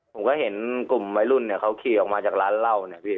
ผมก็เห็นกลุ่มวัยรุ่นเนี่ยเขาขี่ออกมาจากร้านเหล้านะพี่